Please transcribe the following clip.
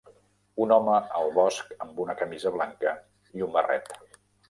Un home al bosc amb una camisa blanca i un barret.